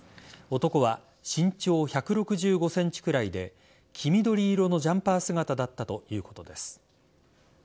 男は身長１６５ｃｍくらいで黄緑色のジャンパー姿だったということです。